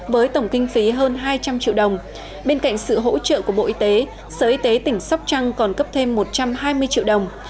với tổng kinh phí hơn hai trăm linh triệu đồng bên cạnh sự hỗ trợ của bộ y tế sở y tế tỉnh sóc trăng còn cấp thêm một trăm hai mươi triệu đồng